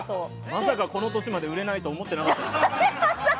まさかこの年まで売れないと思っていなかったです。